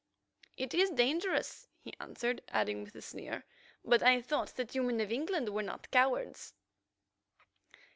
"It is dangerous," he answered, adding with a sneer, "but I thought that you men of England were not cowards."